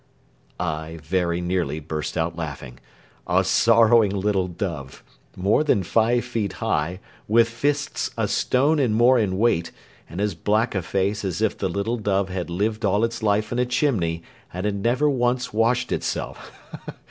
I very nearly burst out laughing. "A sorrowing little dove!" more than five feet high, with fists a stone and more in weight, and as black a face as if the little dove had lived all its life in a chimney, and had never once washed itself!